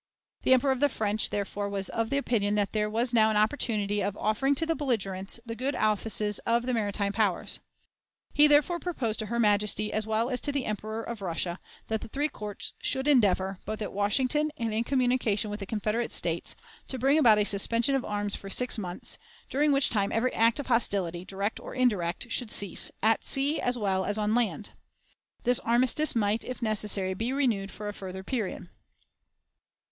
The Emperor of the French, therefore, was of the opinion that there was now an opportunity of offering to the belligerents the good offices of the maritime powers. He, therefore, proposed to her Majesty, as well as to the Emperor of Russia, that the three courts should endeavor, both at Washington and in communication with the Confederate States, to bring about a suspension of arms for six months, during which time every act of hostility, direct or indirect, should cease, at sea as well as on land. This armistice might, if necessary, be renewed for a further period.